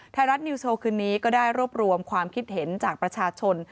ไทยรัฐนิวโชว์คืนนี้ก็ได้รวบรวมความคิดเห็นจากประชาชน